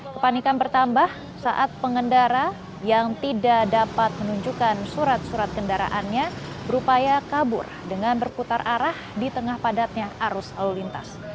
kepanikan bertambah saat pengendara yang tidak dapat menunjukkan surat surat kendaraannya berupaya kabur dengan berputar arah di tengah padatnya arus lalu lintas